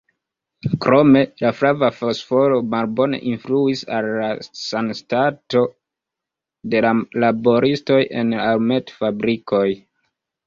Krome, la flava fosforo malbone influis al la sanstato de la laboristoj en alumetfabrikoj.